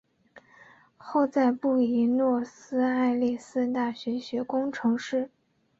后在布宜诺斯艾利斯大学学工程师。